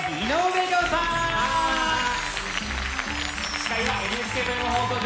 司会はＮＨＫ富山放送局